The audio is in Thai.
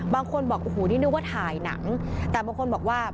บางคนบอกโอ้โหนี่นึกว่าถ่ายหนังแต่บางคนบอกว่า